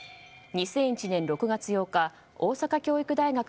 ２００１年６月８日大阪府教育大学